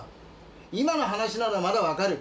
今の話ならまだ分かる！